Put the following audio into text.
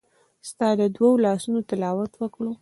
ستا د دوو لاسونو تلاوت وکړ